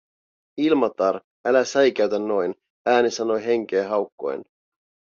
"Ilmatar, älä säikäytä noin", ääni sanoi henkeä haukkoen.